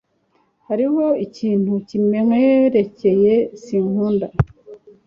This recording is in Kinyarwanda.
Hariho ikintu kimwerekeye sinkunda.